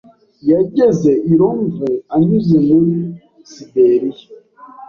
Yageze i Londres anyuze muri Siberiya.